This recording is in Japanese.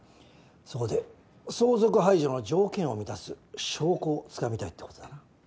そこで相続廃除の条件を満たす証拠を掴みたいってことだな。